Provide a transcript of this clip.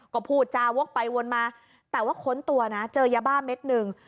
ก็พูดจาวกไปวนมาแต่ว่าค้นตัวนะเจอยาบ้าเม็ดหนึ่ง